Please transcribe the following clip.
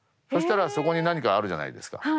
そしたらそこに何かあるじゃないですか。